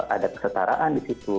ada kesetaraan di situ